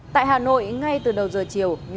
tại hà nội ngay từ đầu giờ chiều